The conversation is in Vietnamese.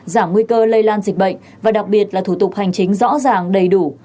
giảm nguy cơ lây lan dịch bệnh và đặc biệt là thủ tục hành chính rõ ràng đầy đủ